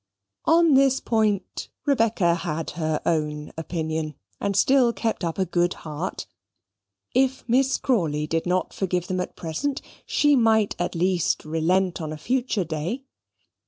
On this point Rebecca had her own opinion, and still kept up a good heart. If Miss Crawley did not forgive them at present, she might at least relent on a future day.